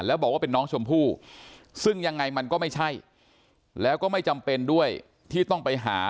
แล้วบอกว่าเป็นน้องชมพู่ซึ่งยังไงมันก็ไม่ใช่แล้วก็ไม่จำเป็นด้วยที่ต้องไปหา